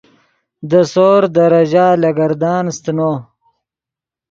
دے سور دے ریژہ لگردان سیتنو